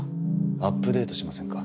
アップデートしませんか？